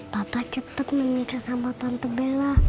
papa cepet menikah sama tante bella